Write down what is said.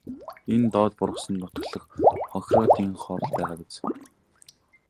Энэ доод бургасанд нутаглах хонхироодынхоор л байгаа биз.